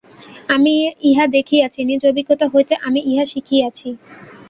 আমি ইহা দেখিয়াছি, নিজ অভিজ্ঞতা হইতে আমি ইহা শিখিয়াছি।